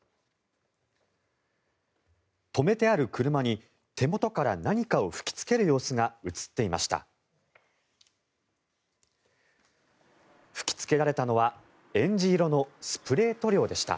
止めてある車に手元から何かを吹きつける様子が映っていました。